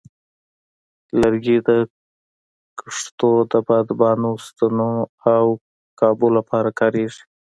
لرګي د کښتو د بادبانو، ستنو، او قابو لپاره کارېږي.